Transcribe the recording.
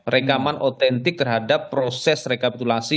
rekaman otentik terhadap proses rekapitulasi